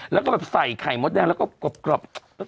แต่ก็ไปใส่ไข่มดแดงกรอบกรอบ